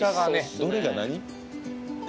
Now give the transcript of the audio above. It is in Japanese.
どれが何？